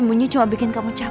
kue itu yang ngirim elsa